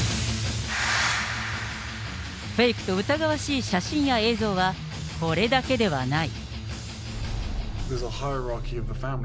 フェイクと疑わしい写真や映像は、これだけではない。